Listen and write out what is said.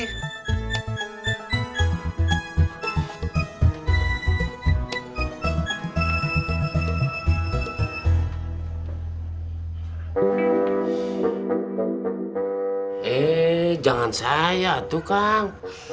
hei jangan saya tuh kang